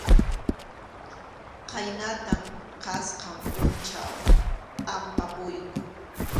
Khaynatam kasqan pʼunchaw pʼampapuyku.